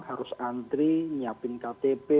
harus antri nyiapin ktp